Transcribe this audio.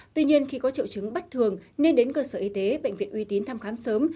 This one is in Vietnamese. tuy nhiên khi có triệu chứng bất thường nên đến cơ sở y tế bệnh viện uy tín thăm khám sớm